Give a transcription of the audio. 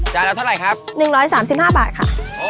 จ่ายแล้วเท่าไรครับ๑๓๕บาทค่ะ